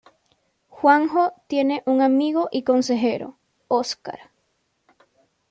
Juanjo tiene un amigo y consejero: Oscar.